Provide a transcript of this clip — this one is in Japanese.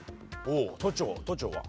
都庁都庁は？